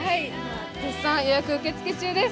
絶賛、予約受付中です。